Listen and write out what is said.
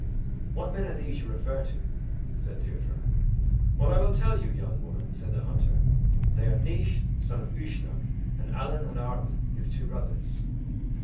"What men are these you refer to?" said Deirdre. "Well, I will tell you, young woman," said the hunter, "They are Naois, son of Uisnech, and Allen and Arden his two brothers."